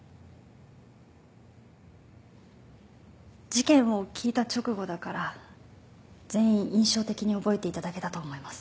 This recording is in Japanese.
事件を聞いた直後だから全員印象的に覚えていただけだと思います。